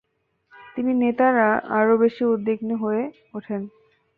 তিনি নেতারা আরো বেশি উদ্বিগ্ন হয়ে উঠেন।